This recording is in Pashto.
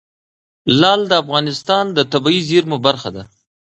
لعل د افغانستان د طبیعي زیرمو برخه ده.